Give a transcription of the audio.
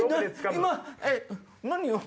今何を。